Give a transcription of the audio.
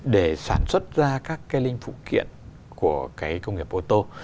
để sản xuất ra các cái linh phụ kiện của cái công nghiệp ô tô